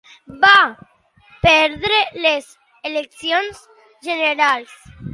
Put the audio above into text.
Va perdre les eleccions generals.